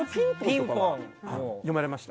「ピンポン」も読まれました？